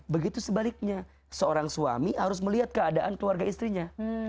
begitu sebaliknya seorang suami harus melihat keadaan keluarga istrinya